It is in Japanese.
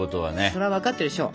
そら分かってるでしょ。